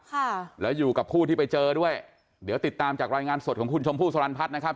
ค่ะแล้วอยู่กับผู้ที่ไปเจอด้วยเดี๋ยวติดตามจากรายงานสดของคุณชมพู่สรรพัฒน์นะครับ